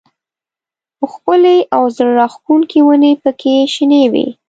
ښکلې او زړه راښکونکې ونې پکې شنې وې.